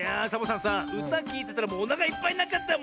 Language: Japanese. さうたきいてたらもうおなかいっぱいになっちゃったよ。